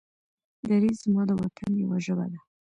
دري زما د وطن يوه ژبه ده.